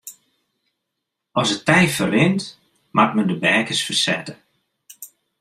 As it tij ferrint moat men de beakens fersette.